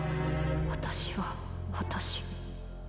私は私。